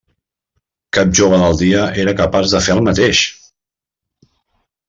Cap jove del dia era capaç de fer el mateix!